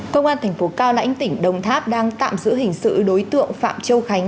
công an thành phố cao lãnh tỉnh đồng tháp đang tạm giữ hình sự đối tượng phạm châu khánh